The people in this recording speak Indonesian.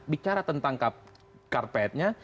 bicara tentang karpetnya